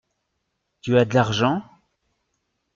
Tu as de l’argent ?